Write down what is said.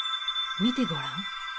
見てごらん。